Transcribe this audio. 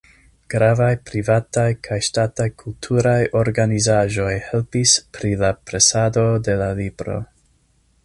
Gravaj privataj kaj ŝtataj kulturaj organizaĵoj helpis pri la presado de la libro.